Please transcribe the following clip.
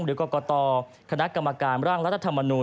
หรือกรกตคณะกรรมการร่างรัฐธรรมนูล